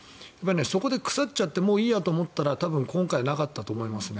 そこで腐っちゃってもういいやと思ったら多分今回、なかったと思いますね。